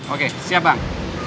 oke siap bang